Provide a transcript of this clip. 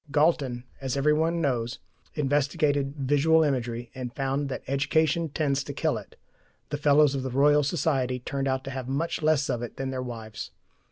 Galton, as every one knows, investigated visual imagery, and found that education tends to kill it: the Fellows of the Royal Society turned out to have much less of it than their wives.